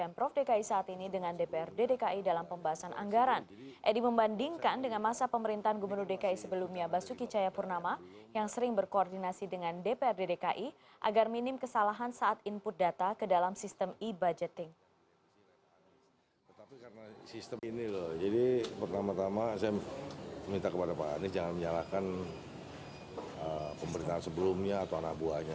minta kepada pak anies jangan menyalahkan pemberitaan sebelumnya atau anak buahnya